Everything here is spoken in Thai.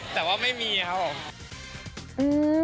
แต่ว่าไม่มีครับผม